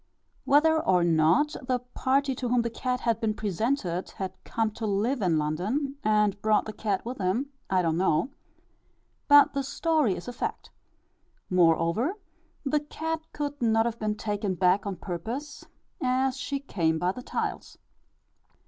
Whether or not the party to whom the cat had been presented had come to live in London, and brought the cat with him, I do not know; but the story is a fact. Moreover, the cat could not have been taken back on purpose, as she came by the tiles.